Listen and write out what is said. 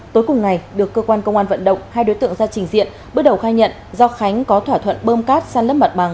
tối cùng ngày được cơ quan công an vận động hai đối tượng ra trình diện bước đầu khai nhận do khánh có thỏa thuận bơm cát săn lấp mặt bằng